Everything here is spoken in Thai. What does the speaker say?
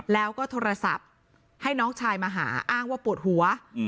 แล้วก็โทรศัพท์ให้น้องชายมาหาอ้างว่าปวดหัว